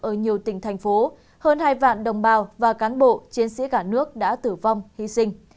ở nhiều tỉnh thành phố hơn hai vạn đồng bào và cán bộ chiến sĩ cả nước đã tử vong hy sinh